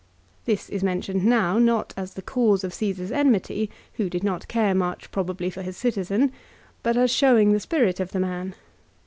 This is mentioned now not as the cause of Cesar's enmity, who did not care much probably for his citizen, but as showing the spirit of the man.